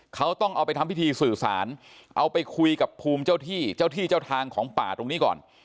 เขาต้องเอาไปทำพิธีสื่อสารเอาไปคุยกับภูมิเจ้าที่เจ้าที่เจ้าทางของป่าตรงนี้ก่อน